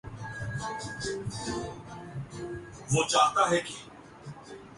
معاملہ اور ہے اور کسی ایک ذات کا نہیں۔